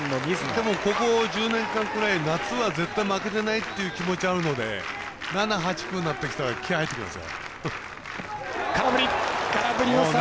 でも、ここ１０年間ぐらい夏は負けてないっていう気持ちがあるので７、８、９になってきたら気合い入ってきます。